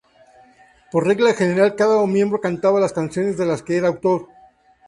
Por regla general, cada miembro cantaba las canciones de las que era autor.